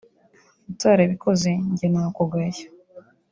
Utarabikoze njye nakugaya